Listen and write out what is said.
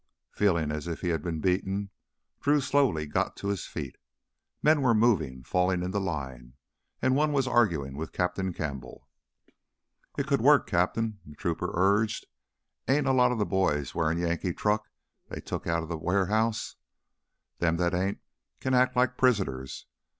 Feeling as if he had been beaten, Drew slowly got to his feet. Men were moving, falling into line. And one was arguing with Captain Campbell. "It could work, Cap'n," the trooper urged. "Ain't a lot of the boys wearin' Yankee truck they took outta the warehouses? Them what ain't can act like prisoners.